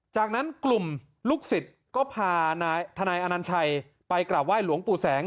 จากนั้นกลุ่มลูกศิษย์ก็พาทนายอนัญชัยไปกราบไห้หลวงปู่แสง